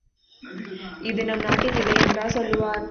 இது நம் நாட்டின் நிலை என்றா சொல்லுவார்?